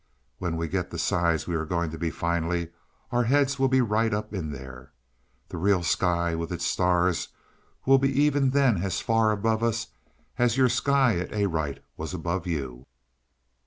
When we get the size we are going to be finally, our heads will be right up in there. The real sky with its stars will be even then as far above us as your sky at Arite was above you."